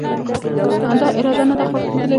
دا اراده نه ده ښودلې